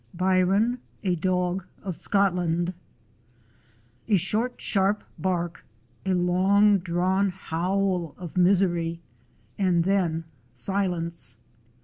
124 BYRON: A DOG OF SCOTLAND SHORT, sharp bark, a long drawn howl of misery, and then silence.